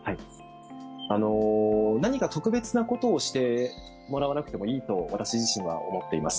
何か特別なことをしてもらわなくてもいいと私自身は思っています。